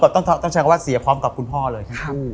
ต้องใช้คำว่าเสียพร้อมกับคุณพ่อเลยทั้งคู่